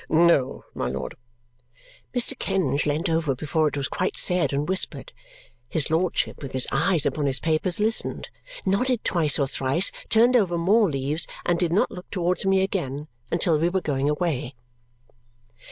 "No, my lord." Mr. Kenge leant over before it was quite said and whispered. His lordship, with his eyes upon his papers, listened, nodded twice or thrice, turned over more leaves, and did not look towards me again until we were going away.